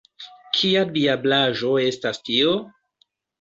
Kia diablaĵo estas tio?